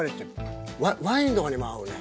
ワインとかにも合うね。